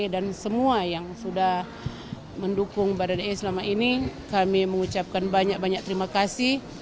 dan semua yang sudah mendukung baradei selama ini kami mengucapkan banyak banyak terima kasih